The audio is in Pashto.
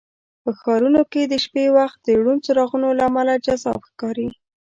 په ښارونو کې د شپې وخت د روڼ څراغونو له امله جذاب ښکاري.